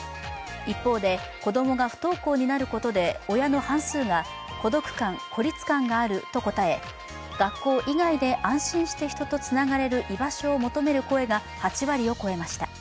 一方で、子供が不登校になることで親の半数が孤独感・孤立感があると答え、学校以外で安心して人とつながれる居場所を求める声が８割を超えました。